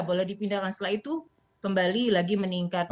boleh dipindahkan setelah itu kembali lagi meningkat